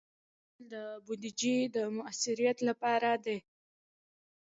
قضایي کنټرول د بودیجې د مؤثریت لپاره دی.